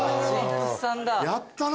やったな。